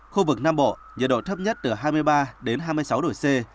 khu vực nam bộ nhiệt độ thấp nhất từ hai mươi ba đến hai mươi sáu độ c